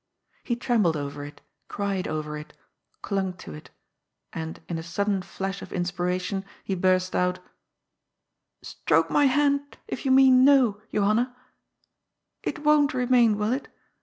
He trembled over it, cried over it, clung to it, and in a sudden fiash of inspiration he burst out :" Stroke my hand, if you Qiean * No,' Johanna. It won't remain, will it?